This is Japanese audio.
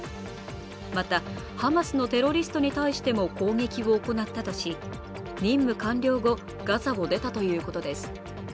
また、ハマスのテロリストに対しても攻撃を行ったとし、任務完了後、ガザを出たということです。